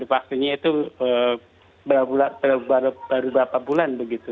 vaksinnya itu baru berapa bulan begitu